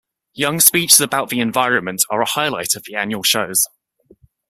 Young's speeches about the environment are a highlight of the annual shows.